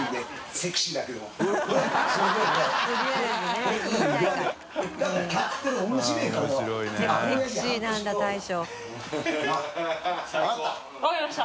セクシーなんだ大将。